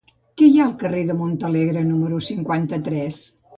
Què hi ha al carrer de Montalegre número cinquanta-tres?